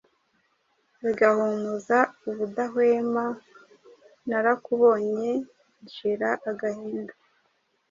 Zigahumuza ubudahwema .Narakubonye nshira agahinda